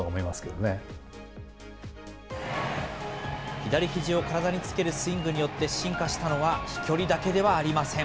左ひじを体につけるスイングによって進化したのは、飛距離だけではありません。